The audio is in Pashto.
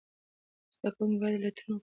زده کوونکي باید لټون وکړي.